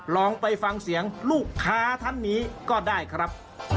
ลองไปฟังเสียงลูกค้าท่านนี้ก็ได้ครับ